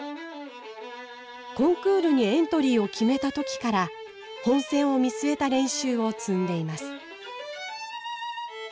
コンクールにエントリーを決めた時から本選を見据えた練習を積んでいます。